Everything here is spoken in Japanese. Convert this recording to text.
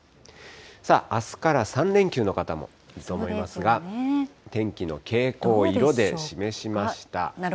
さあ、あすから３連休の方もいると思いますが、天気の傾向を色で示しました。